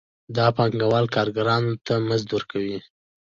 دا پانګوال کارګرانو ته مزد ورکوي